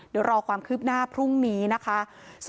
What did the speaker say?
เดี๋ยวรอความคืบหน้าพรุ่งนี้นะคะ